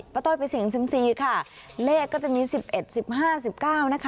ต้อยไปเสี่ยงซิมซีค่ะเลขก็จะมี๑๑๑๕๑๙นะคะ